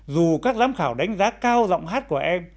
dù các giám khảo đánh giá cao giọng hát của em